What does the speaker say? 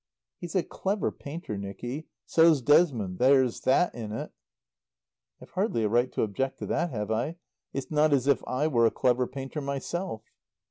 "He's a clever painter, Nicky. So's Desmond. There's that in it." "I've hardly a right to object to that, have I? It's not as if I were a clever painter myself."